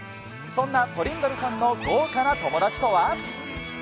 そんなトリンドルさんの豪華な友達とは。